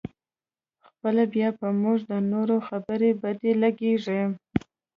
خپله بیا په موږ د نورو خبرې بدې لګېږي.